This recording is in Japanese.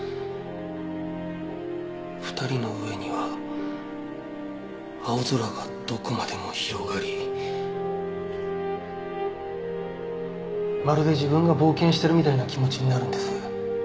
「二人の上には青空がどこまでも広がり」まるで自分が冒険してるみたいな気持ちになるんです。